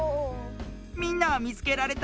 みんなはみつけられた？